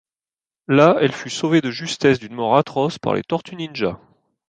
Là, elle fut sauvée de justesse d'une mort atroce par les Tortues Ninja.